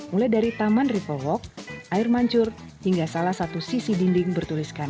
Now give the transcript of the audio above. mulai dari taman rifle walk air mancur hingga salah satu sisi dinding bertuliskan